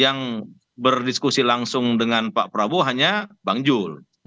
yang berdiskusi langsung dengan pak prabowo hanya bang jul